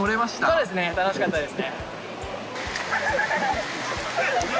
そうですね、楽しかったですね。